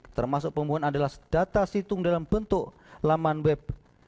termasuk pembunuhan adalah data situng dalam bentuk laman web